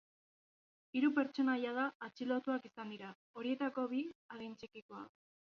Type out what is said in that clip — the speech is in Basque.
Hiru pertsona jada atxilotuak izan dira, horietako bi adin txikikoak.